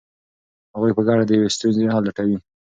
هغوی په ګډه د یوې ستونزې حل لټوي.